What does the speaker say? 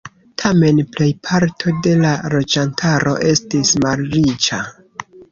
Tamen, plejparto de la loĝantaro estis malriĉa.